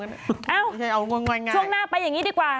เอ้าช่วงหน้าไปอย่างนี้ดีกว่า